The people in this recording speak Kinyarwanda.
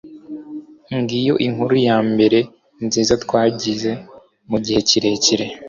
Ngiyo inkuru yambere nziza twagize mugihe kirekire